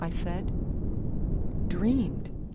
I said. "Dreamed?